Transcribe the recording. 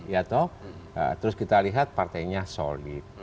ya toh terus kita lihat partainya solid